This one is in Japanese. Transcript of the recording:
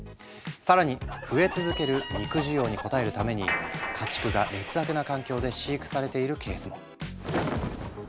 更に増え続ける肉需要に応えるために家畜が劣悪な環境で飼育されているケースも。